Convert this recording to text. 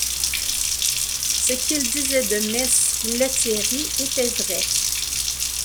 Ce qu’il disait de mess Lethierry était vrai.